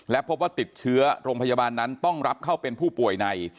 และพบว่าติดเชื้อโรงพยาบาลนั้นต้องรับเข้าเป็นผู้ป่วยใน